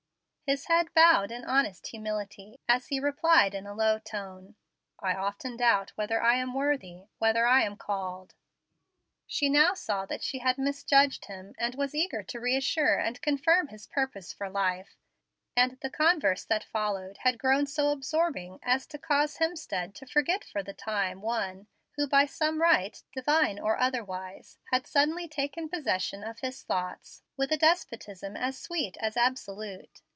His head bowed in honest humility, as he replied, in a low tone, "I often doubt whether I am worthy, whether I am called." She now saw that she had misjudged him, and was eager to reassure and confirm his purpose for life; and the converse that followed had grown so absorbing as to cause Hemstead to forget for the time one, who by some right, divine or otherwise, had suddenly taken possession of his thoughts with a despotism as sweet as absolute.